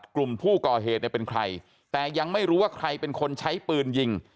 กลุ่มผู้ก่อเหตุเนี่ยเป็นใครแต่ยังไม่รู้ว่าใครเป็นคนใช้ปืนยิง